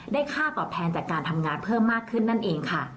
ค่าตอบแทนจากการทำงานเพิ่มมากขึ้นนั่นเองค่ะ